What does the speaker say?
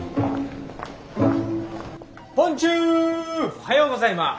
おはようございます。